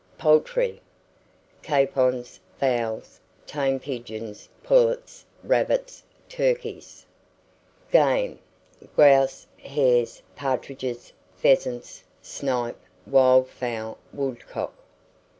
POULTRY. Capons, fowls, tame pigeons, pullets, rabbits, turkeys. GAME. Grouse, hares, partridges, pheasants, snipe, wild fowl, woodcock.